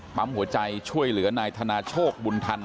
ปั๊มหัวใจช่วยเหลือนายธนาโชคบุญทัน